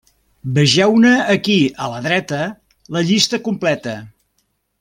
Vegeu-ne aquí a la dreta la llista completa.